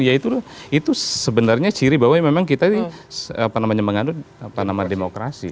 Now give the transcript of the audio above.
ya itu sebenarnya ciri bahwa memang kita ini apa namanya mengandung apa nama demokrasi